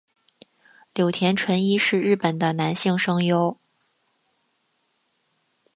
柳田淳一是日本的男性声优。